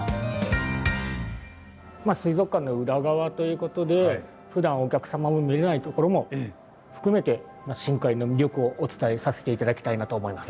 まっ水族館の裏側ということでふだんお客様も見れないところも含めて深海の魅力をお伝えさせて頂きたいなと思います。